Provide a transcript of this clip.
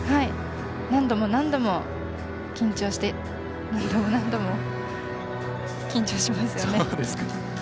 何度も何度も緊張して何度も何度も緊張しますよね。